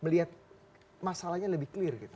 melihat masalahnya lebih clear gitu